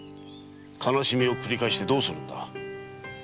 悲しみを繰り返してどうするんだ。